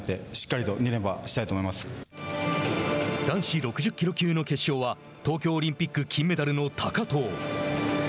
男子６０キロ級の決勝は東京オリンピック金メダルの高藤。